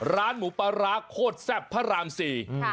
ร้านหมูปลาร้าโคตรแซ่บพระรามสี่